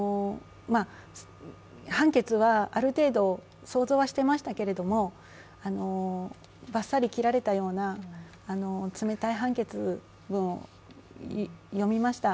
判決はある程度想像はしてましたけれどもばっさり切られたような冷たい判決文を読みました。